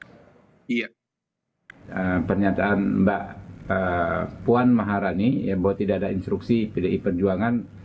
bagi saya saya saya kerasa sekali dan saya merasakan bahwa ini yang buat tidak ada instruksi pdi perjuangan